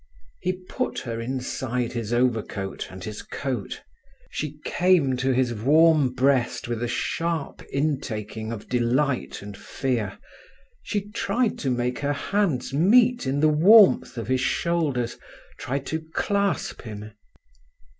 He put her inside his overcoat and his coat. She came to his warm breast with a sharp intaking of delight and fear; she tried to make her hands meet in the warmth of his shoulders, tried to clasp him.